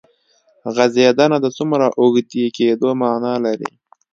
غځېدنه د څومره اوږدې کېدو معنی لري.